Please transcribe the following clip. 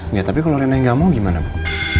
enggak tapi kalau reina yang enggak mau gimana bu